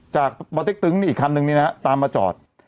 จากอุบัติเต๊กตึ๊งอีกคันนึงเนี่ยนะครับตามมาจอด